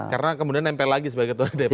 karena kemudian nempel lagi sebagai ketua dpr